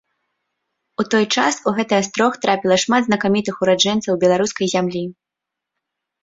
У той час у гэты астрог трапіла шмат знакамітых ураджэнцаў беларускай зямлі.